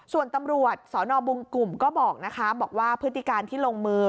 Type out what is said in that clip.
ส่วนตำรวจสนบุงกลุ่มก็บอกนะคะบอกว่าพฤติการที่ลงมือ